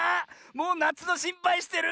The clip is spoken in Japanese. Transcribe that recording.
もうなつのしんぱいしてる！